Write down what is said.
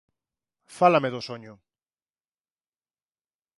Fálame do soño.